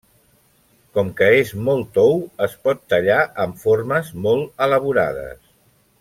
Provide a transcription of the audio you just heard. Com que és molt tou es pot tallar amb formes molt elaborades.